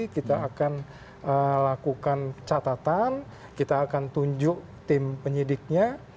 kita akan lakukan catatan kita akan tunjuk tim penyidiknya